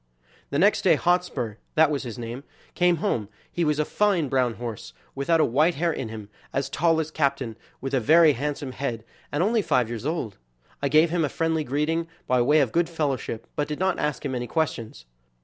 The next day Hotspur, that was his name, came home; he was a fine brown horse, without a white hair in him, as tall as Captain, with a very handsome head, and only five years old. I gave him a friendly greeting by way of good fellowship, but did not ask him any questions.